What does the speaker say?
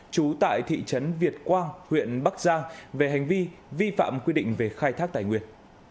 trú tại thị trấn việt quang huyện bắc giang về hành vi vi phạm quy định về khai thác tài nguyên